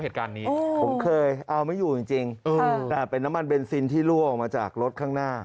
เหตุการณ์นี้ผมเคยเอาไม่อยู่จริงแต่เป็นน้ำมันเบนซินที่รั่วออกมาจากรถข้างหน้า